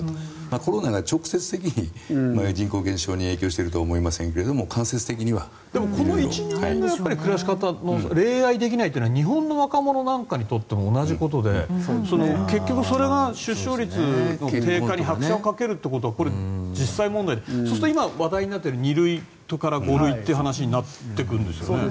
コロナが直接的に人口減少に影響しているとは思いませんがこの１２年が恋愛できないってことが日本の若者にとっても同じことで、結局それが出生率の低下に拍車をかけることはこれ、実際問題そうすると今話題になっている２類から５類という話になっていくんですよね。